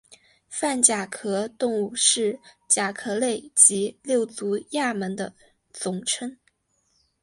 泛甲壳动物是甲壳类及六足亚门的总称。